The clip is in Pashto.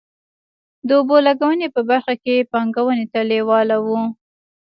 د اوبو لګونې په برخه کې پانګونې ته لېواله وو.